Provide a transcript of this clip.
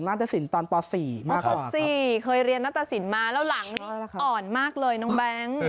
น่าจะสินตอนป่าวสี่มากกว่าครับครับป่าวสี่เคยเรียนน่าจะสินมาแล้วหลังอ่อนมากเลยน้องแบ๊ง